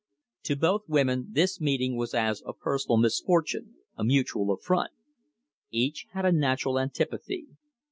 To both women this meeting was as a personal misfortune, a mutual affront. Each had a natural antipathy.